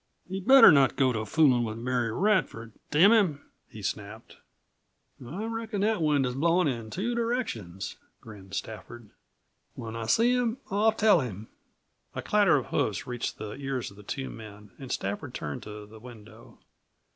"He'd better not go to foolin' with Mary Radford, damn him!" he snapped. "I reckon that wind is blowin' in two directions," grinned Stafford. "When I see him I'll tell him " A clatter of hoofs reached the ears of the two men, and Stafford turned to the window.